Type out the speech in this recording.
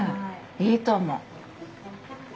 いいと思う！